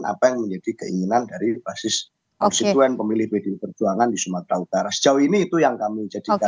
apa yang menjadi keinginan dari basis konstituen pemilih pdi perjuangan di sumatera utara sejauh ini itu yang kami jadikan